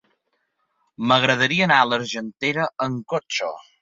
M'agradaria anar a l'Argentera amb cotxe.